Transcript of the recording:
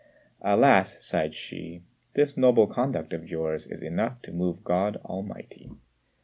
"Alas!" sighed Hsü, "this noble conduct of yours is enough to move God Almighty."